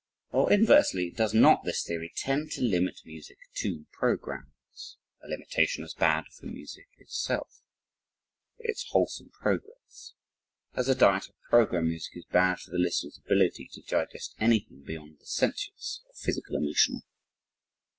Or inversely does not this theory tend to limit music to programs? a limitation as bad for music itself for its wholesome progress, as a diet of program music is bad for the listener's ability to digest anything beyond the sensuous (or physical emotional).